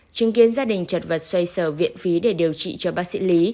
chứng kiến gia đình chật vật xoay sở viện phí để điều trị cho bác sĩ lý